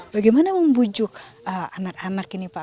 bagaimana membujuk anak anak ini pak